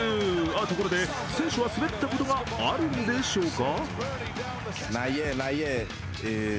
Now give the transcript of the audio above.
ところで選手は滑ったことがあるんでしょうか？